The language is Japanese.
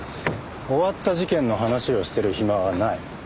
終わった事件の話をしてる暇はない。